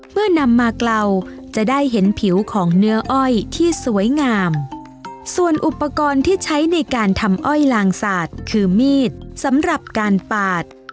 เมื่อนำมาเกลาจะได้เห็นผิวของเนื้ออ้อยที่สวยงามส่วนอุปกรณ์ที่ใช้ในการทำอ้อยลางสาดคือมีดสำหรับการปาด